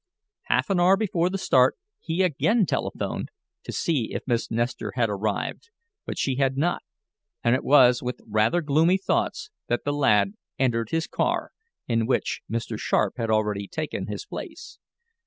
Half an hour before the start he again telephoned to see if Miss Nestor had arrived, but she had not, and it was with rather gloomy thoughts that the lad entered his car, in which Mr. Sharp had already taken his place.